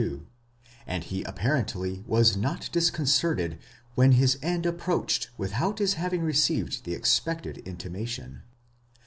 32), and he apparently was not discon certed when his end approached without his having received the expected intimation.